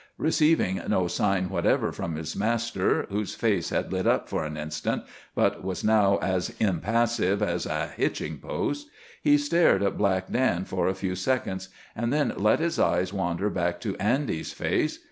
Receiving no sign whatever from his master, whose face had lit up for an instant, but was now as impassive as a hitching post, he stared at Black Dan for a few seconds, and then let his eyes wander back to Andy's face.